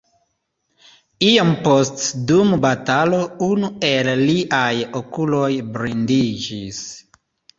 Iom poste dum batalo unu el liaj okuloj blindiĝis.